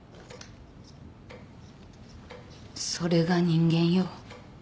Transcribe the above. それが人間よ。